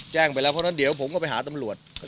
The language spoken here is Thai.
แจ้งไปแล้วเพราะฉะนั้นเดี๋ยวผมก็ไปหาตำรวจ